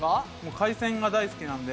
海鮮が大好きなんで。